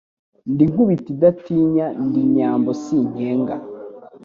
Ndi Nkubito idatinya, Ndi Nyambo sinkenga,